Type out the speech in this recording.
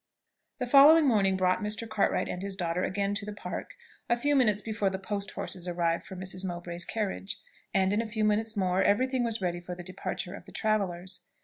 The following morning brought Mr. Cartwright and his daughter again to the Park a few minutes before the post horses arrived for Mrs. Mowbray's carriage, and in a few minutes more every thing was ready for the departure of the travellers.